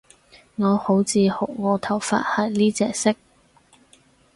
我好自豪我頭髮係呢隻色